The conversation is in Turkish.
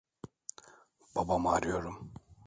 Babamı arıyorum.